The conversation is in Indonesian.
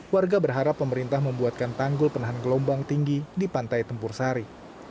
warga berharap pemerintah membuatkan tanggul penahan gelombang tinggi di pantai tempur sari